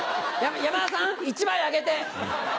山田さん、１枚あげて。